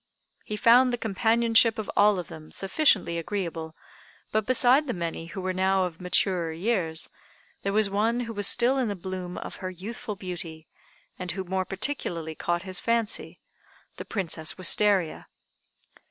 He found the companionship of all of them sufficiently agreeable; but beside the many who were now of maturer years, there was one who was still in the bloom of her youthful beauty, and who more particularly caught his fancy, the Princess Wistaria.